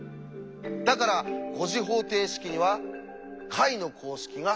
だから５次方程式には解の公式が存在しない。